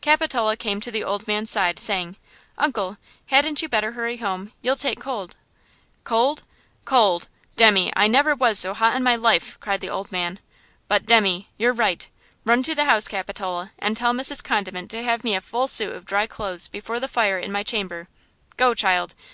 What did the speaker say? Capitola came to the old man's side, saying: "Uncle, hadn't you better hurry home–you'll take cold." "Cold? Cold! demmy! I never was so hot in my life!" cried the old man; "but, demmy! you're right! Run to the house, Capitola, and tell Mrs. Condiment to have me a full suit of dry clothes before the fire in my chamber. Go, child!